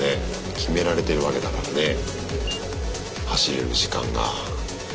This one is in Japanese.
決められてるわけだからね走れる時間が。